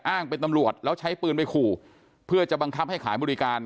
เป็นตำรวจแล้วใช้ปืนไปขู่เพื่อจะบังคับให้ขายบริการ